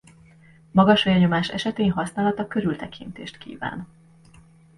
Magas vérnyomás esetén használata körültekintést kíván.